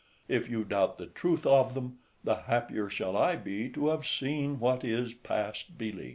If you doubt the truth of them, the happier shall I be to have seen what is past belief.